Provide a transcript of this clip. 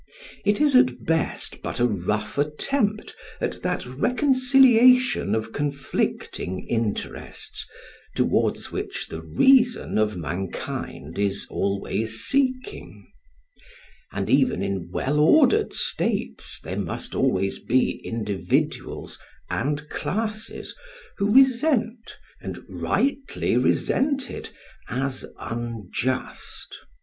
It is, at best, but a rough attempt at that reconciliation of conflicting interests towards which the reason of mankind is always seeking; and even in well ordered states there must always be individuals and classes who resent, and rightly resent it, as unjust.